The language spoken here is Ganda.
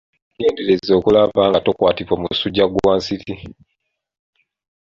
Weegendereze okulaba nga tokwatibwa musujja kwa nsiri.